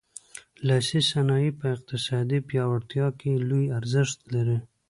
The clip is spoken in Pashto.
لاسي صنایع په اقتصادي پیاوړتیا کې لوی ارزښت لري.